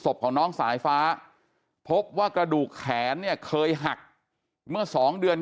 ศพของน้องสายฟ้าพบว่ากระดูกแขนเนี่ยเคยหักเมื่อ๒เดือน